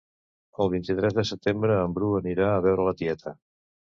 El vint-i-tres de setembre en Bru anirà a veure la tieta